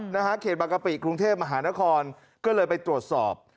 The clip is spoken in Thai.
นะฮะเขตบางกะปิกรุงเทพมหานครก็เลยไปตรวจสอบ